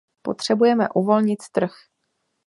Potřebujeme uvolnit trh.